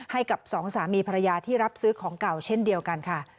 ให้กับสองสามีภรรยาที่รับซื้อของเก่าเช่นเดียวกันค่ะ